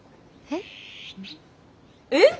えっ？えっ！